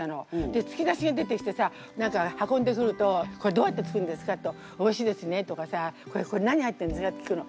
でつきだしが出てきてさ何か運んでくると「これどうやって作るんですか？」と「おいしいですね」とかさ「これ何入ってるんですか？」って聞くの。